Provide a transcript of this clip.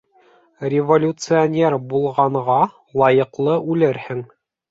Революционер булғанға, лайыҡлы үлерһең.